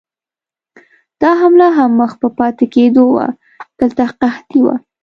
دا حمله هم مخ په پاتې کېدو وه، دلته قحطي وه.